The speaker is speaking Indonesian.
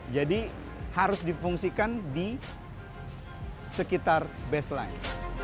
jadi harus difungsikan di sekitar baseline